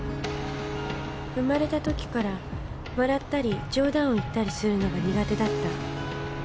生まれた時から笑ったり冗談を言ったりするのが苦手だった